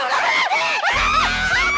jatuh apa kagaknya